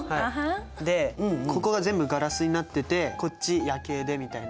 でここが全部ガラスになっててこっち夜景でみたいな。